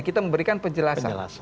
kita memberikan penjelasan